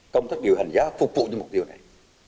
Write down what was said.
công tác điều hành giá phục vụ cho mục tiêu này